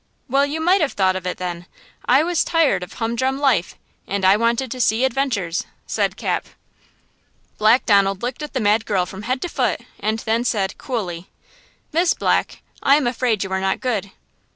"Well, you might have thought of it then! I was tired of hum drum life, and I wanted to see adventures!" said Cap Black Donald looked at the mad girl from head to foot and then said, coolly: "Miss Black. I am afraid you are not good."